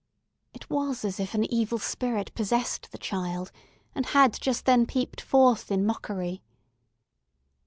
It was as if an evil spirit possessed the child, and had just then peeped forth in mockery.